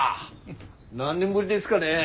何年ぶりですかね。